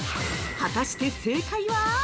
◆果たして、正解は？